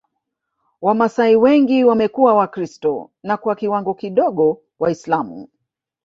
Wamasai wengi wamekuwa Wakristo na kwa kiwango kidogo Waislamu